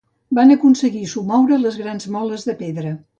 Van aconseguir somoure les grans moles de pedra.